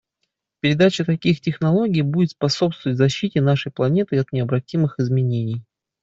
Передача таких технологий будет способствовать защите нашей планеты от необратимых изменений.